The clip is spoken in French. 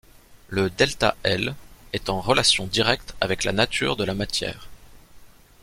Le ΔL est en relation directe avec la nature de la matière.